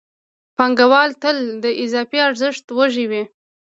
پانګوال تل د اضافي ارزښت وږی وي